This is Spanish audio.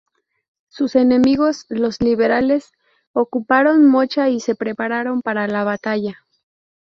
Sus enemigos, los liberales, ocuparon Mocha y se prepararon para la batalla.